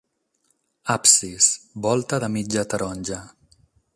Absis, volta de mitja taronja.